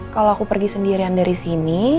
kalau aku pergi sendirian dari sini